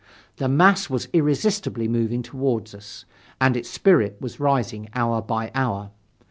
The mass was irresistibly moving toward us, and its spirit was rising hour by hour.